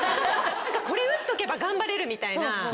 これ打っとけば頑張れるみたいな。